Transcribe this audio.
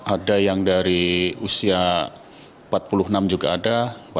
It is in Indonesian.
ada yang dari usia empat puluh enam juga ada